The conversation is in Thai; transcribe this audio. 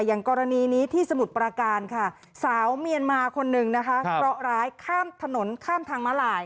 อย่างกรณีนี้ที่สมุทรประการค่ะสาวเมียนมาคนนึงนะคะเพราะร้ายข้ามถนนข้ามทางมาลาย